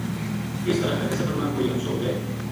اس طرح کَدے سفر ما کوئی حادثو ہو جائے